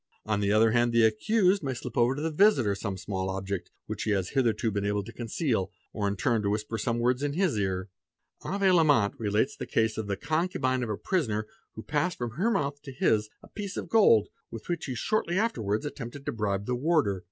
On the other hand the accused may slip over to the visitor 'some small object which he has hitherto been able to conceal, or in turn to whisper some words in his ear. Avé Lallemant relates the case of the concubine of a prisoner who passed from her mouth to his a piece of gold, with which he shortly afterwards attempted to bribe the warder.